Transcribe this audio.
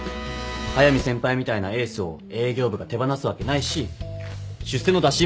速見先輩みたいなエースを営業部が手放すわけないし出世の打診もされてたし。